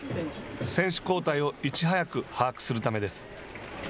選手交代をいち早く把握するためです。